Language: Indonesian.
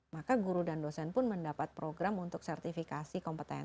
maka guru dan dosen pun mendapat program untuk sertifikasi kompetensi